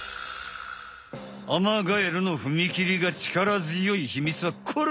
アマガエルのふみきりがちからづよいひみつはこれ！